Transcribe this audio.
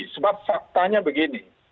sebab faktanya begini